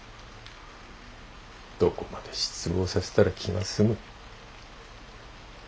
どこまで失望させたら気が済む？